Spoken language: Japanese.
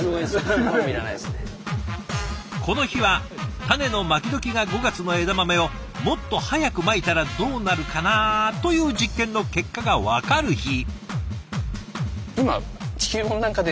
この日は種のまき時が５月の枝豆をもっと早くまいたらどうなるかな？という実験の結果が分かる日。